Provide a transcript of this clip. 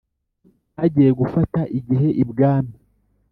bagiye gufata igihe ibwami,